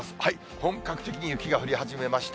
本格的に雪が降り始めました。